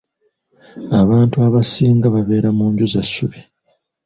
Abantu abasinga babeera mu nju za ssubi.